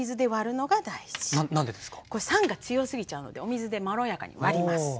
酸が強すぎちゃうのでお水でまろやかに割ります。